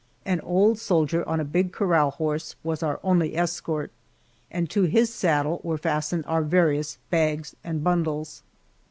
An old soldier on a big corral horse was our only escort, and to his saddle were fastened our various bags and bundles.